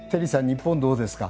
日本どうですか？